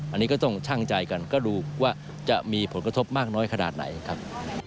อันนี้ก็ต้องชั่งใจกันก็ดูว่าจะมีผลกระทบมากน้อยขนาดไหนครับ